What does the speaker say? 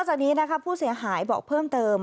จากนี้นะคะผู้เสียหายบอกเพิ่มเติม